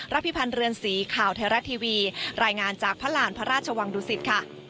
พิพันธ์เรือนสีข่าวไทยรัฐทีวีรายงานจากพระหลานพระราชวังดุสิตค่ะ